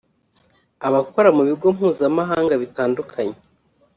abakora mu bigo mpuzamahanga bitandukanye